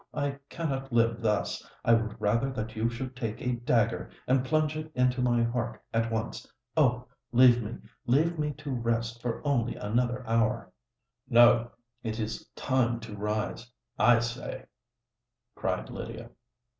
I cannot live thus—I would rather that you should take a dagger and plunge it into my heart at once. Oh! leave me—leave me to rest for only another hour!" "No:—it is time to rise, I say," cried Lydia.